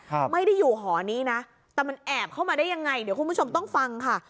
ไม่ได้อยู่หอนี้นะแต่มันแอบเข้ามาได้ยังไงเดี๋ยวคุณผู้ชมต้องฟังค่ะ